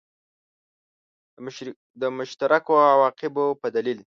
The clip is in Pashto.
د مشترکو عواقبو په دلیل.